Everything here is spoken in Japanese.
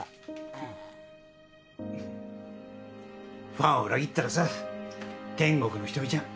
ファンを裏切ったらさ天国の仁美ちゃん